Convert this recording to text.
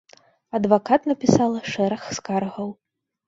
Адвакат напісала шэраг скаргаў.